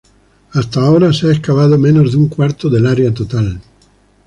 Hasta ahora, se ha excavado menos de un cuarto del área total.